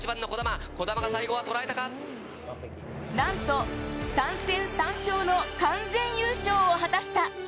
なんと３戦３勝の完全優勝を果たした。